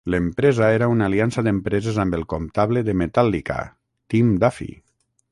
L'empresa era una aliança d'empreses amb el comptable de "Metallica", Tim Duffy.